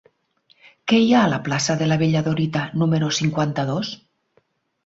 Què hi ha a la plaça de la Bella Dorita número cinquanta-dos?